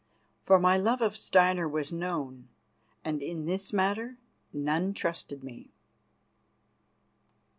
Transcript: For my love of Steinar was known, and in this matter none trusted me.